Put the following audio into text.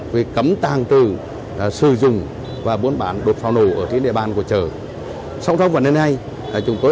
về cấm tàng trừ sử dụng và buôn bán đột pháo nổ ở trên địa bàn của chợ sau đó vấn đề này chúng tôi